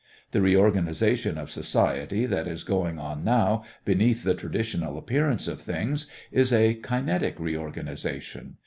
The reorganization of society that is going on now beneath the traditional appearance of things is a kinetic reorganization.